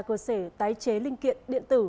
cơ sở tái chế linh kiện điện tử